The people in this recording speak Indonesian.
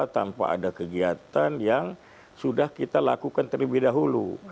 tanpa ada kegiatan yang sudah kita lakukan terlebih dahulu